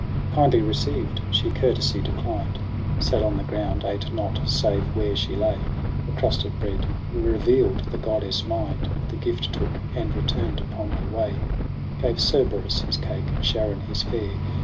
Kindly received, she courtesy declined • Sat on the ground j ate not, save where she lay, A crust of bread ; reveaPd the goddess' mind ; The gift took ; and retum'd upon her way : Gave Cerberus his cake, Charon his fare.